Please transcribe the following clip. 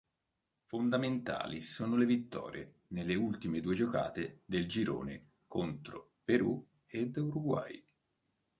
Fondamentali sono le vittorie nelle ultime due giornate del girone contro Perù ed Uruguay.